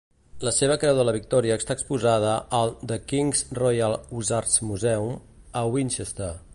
La seva Creu de la Victòria està exposada al The King's Royal Hussars Museum, a Winchester.